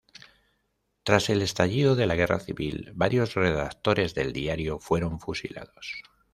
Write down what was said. Tras el estallido de la Guerra civil varios redactores del diario fueron fusilados.